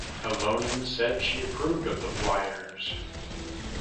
Halonen said she approved of the flyers.